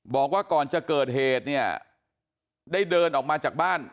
บอกว่าก่อนจะเกิดเหตุเนี่ยได้เดินออกมาจากบ้าน